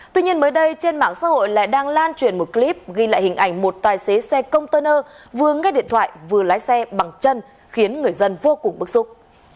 tuy nhiên mới đây trên mạng xã hội lại đang lan truyền một clip ghi lại hình ảnh một tài xế xe container vừa nghe điện thoại vừa lái xe bằng chân khiến người dân vô cùng bức xúc